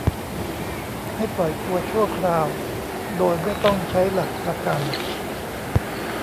ให้ปล่อยตัวชั่วคราว โดยไม่ต้องใช้หลักประกัน